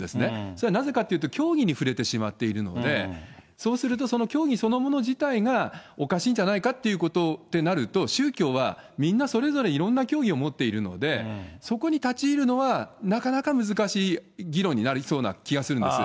それはなぜかというと、教義に触れてしまっているので、そうすると、その教義そのもの自体がおかしいんじゃないかってことになると、宗教はみんなそれぞれいろんな教義を持っているので、そこに立ち入るのはなかなか難しい議論になりそうな気がするんです。